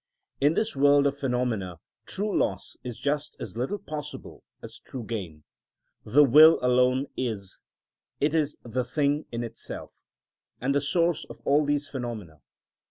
In this world of phenomena true loss is just as little possible as true gain. The will alone is; it is the thing in itself, and the source of all these phenomena.